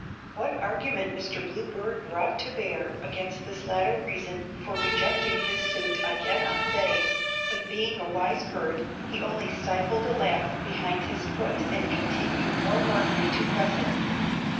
What argument Mr. Bluebird brought to bear against this latter reason for rejecting his suit I cannot say, but being a wise bird he only stifled a laugh behind his foot and continued more warmly to press it.